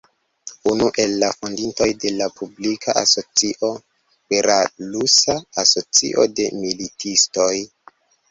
Unu el la fondintoj de la publika asocio "Belarusa Asocio de Militistoj.